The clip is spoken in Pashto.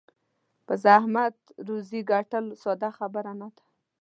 په زحمت روزي ګټل ساده خبره نه ده.